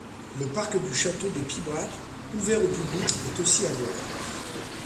Le parc du château de Pibrac, ouvert au public, est aussi à voir.